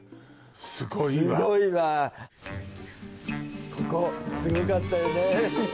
すごいわすごいわここすごかったよね